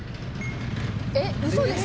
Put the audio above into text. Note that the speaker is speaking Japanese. えっウソでしょ？